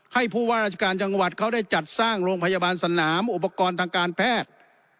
ผู้ว่าราชการจังหวัดเขาได้จัดสร้างโรงพยาบาลสนามอุปกรณ์ทางการแพทย์